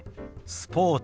スポーツ。